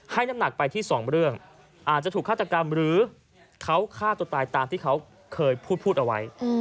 น้ำหนักไปที่สองเรื่องอาจจะถูกฆาตกรรมหรือเขาฆ่าตัวตายตามที่เขาเคยพูดเอาไว้